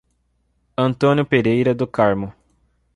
Antônio Pereira do Carmo